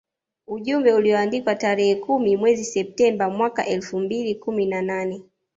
Ujumbe aliouandika tarehe kumi mwezi Septemba mwaka elfu mbili kumi na nane